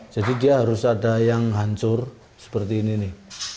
jadi dia harus ada yang hancur seperti ini nih